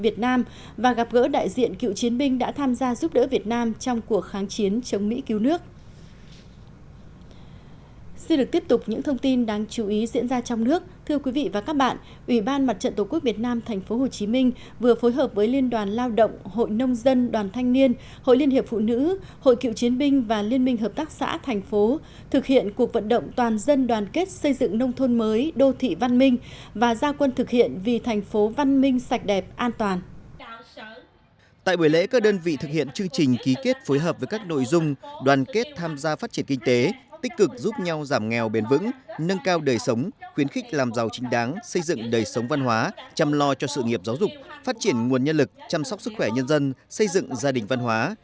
tại buổi lễ các đơn vị thực hiện chương trình ký kết phối hợp với các nội dung đoàn kết tham gia phát triển kinh tế tích cực giúp nhau giảm nghèo bền vững nâng cao đời sống khuyến khích làm giàu chính đáng xây dựng đời sống văn hóa chăm lo cho sự nghiệp giáo dục phát triển nguồn nhân lực chăm sóc sức khỏe nhân dân xây dựng gia đình văn hóa